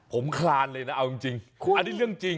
ผมคลานเลยนะเอาจริงอันนี้เรื่องจริง